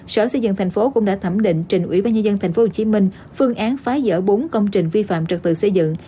sở xây dựng thành phố cũng đã thẩm định trình ủy ban nhân dân tp hcm phương án phá rỡ bốn công trình vi phạm trật tự xây dựng